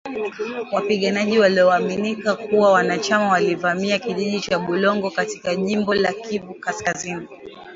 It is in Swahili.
wapiganaji wanaoaminika kuwa wanachama walivamia kijiji cha Bulongo katika jimbo la Kivu kaskazini